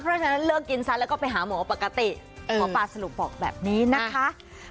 เพราะฉะนั้นเลิกกินซะแล้วก็ไปหาหมอปกติหมอปลาสรุปบอกแบบนี้นะคะ